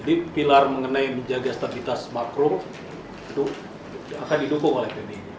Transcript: jadi pilar mengenai menjaga stabilitas makro itu akan didukung oleh pbi